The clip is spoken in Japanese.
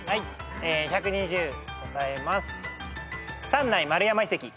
１２０答えます。